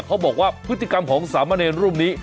เขาบอกว่าพฤติกรรมของสามเณรรูปนี้